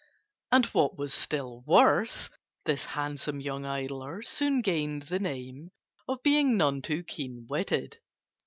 And what was still worse, this handsome young idler soon gained the name of being none too keen witted.